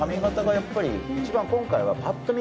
やっぱり一番今回はぱっと見